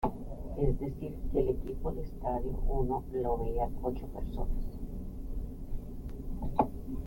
Es decir que al equipo de Estadio Uno lo veían ocho personas.